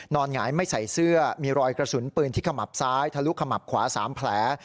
หงายไม่ใส่เสื้อมีรอยกระสุนปืนที่ขมับซ้ายทะลุขมับขวา๓แผล